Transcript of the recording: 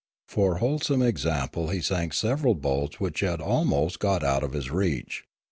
For wholesome example he sank several boats which had almost got out of his reach.